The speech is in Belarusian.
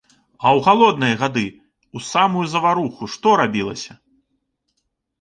А ў галодныя гады, у самую заваруху што рабілася?